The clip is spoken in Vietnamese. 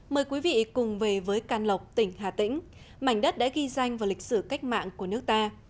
mời quý vị cùng về với can lộc tỉnh hà tĩnh mảnh đất đã ghi danh vào lịch sử cách mạng của nước ta